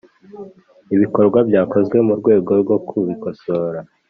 Ibikorwa byakozwe mu rwego rwo kubikosora